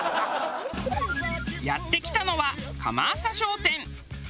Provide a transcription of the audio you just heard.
やって来たのは釜浅商店。